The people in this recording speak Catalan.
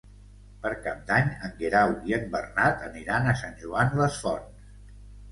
Per Cap d'Any en Guerau i en Bernat aniran a Sant Joan les Fonts.